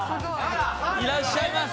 いらっしゃいます。